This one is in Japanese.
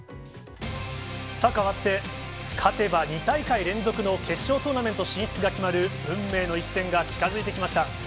変わって、勝てば２大会連続の決勝トーナメント進出が決まる、運命の一戦が近づいてきました。